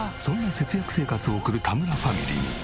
そんな節約生活を送る田村ファミリー。